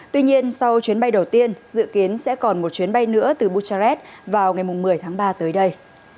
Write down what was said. tuy nhiên sau chuyến bay đầu tiên dự kiến sẽ còn một chuyến bay nữa từ buchares vào ngày một mươi tháng ba tới đây